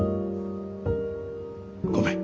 ごめん。